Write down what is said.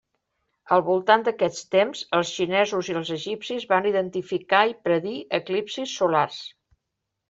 Al voltant d'aquests temps, els xinesos i els egipcis van identificar i predir eclipsis solars.